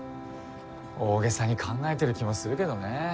大袈裟に考えてる気もするけどね。